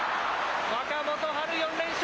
若元春４連勝。